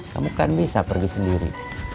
kamu kan bisa pergi sendiri